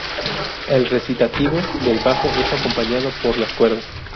El recitativo del bajo es acompañado por las cuerdas.